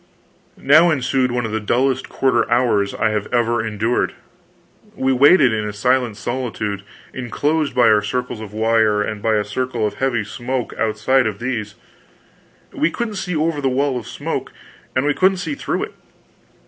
Now ensued one of the dullest quarter hours I had ever endured. We waited in a silent solitude enclosed by our circles of wire, and by a circle of heavy smoke outside of these. We couldn't see over the wall of smoke, and we couldn't see through it.